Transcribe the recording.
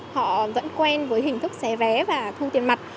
họ vẫn quen với hình thức xé vé và thu tiền mặt